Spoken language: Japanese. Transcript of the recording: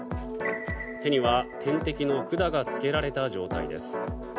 手には点滴の管がつけられた状態です。